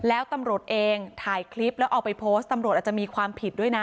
แล้วตำรวจเองถ่ายคลิปแล้วเอาไปโพสต์ตำรวจอาจจะมีความผิดด้วยนะ